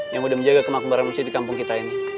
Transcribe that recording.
yang mudah menjaga kemakmuran masjid di kampung kita ini